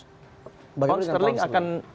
pounds sterling akan